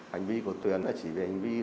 hành vi của tuyền chỉ vì hành vi